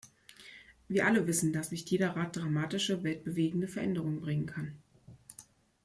Wir alle wissen, dass nicht jeder Rat dramatische, weltbewegende Veränderungen bringen kann.